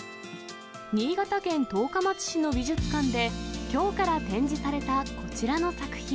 新潟県十日町市の美術館できょうから展示されたこちらの作品。